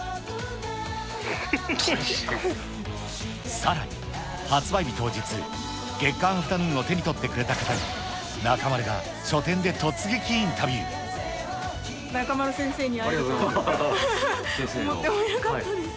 さらに発売日当日、月刊アフタヌーンを手に取ってくれた方に中丸が書店で突撃インタ中丸先生に会えるとは思ってもいなかったです。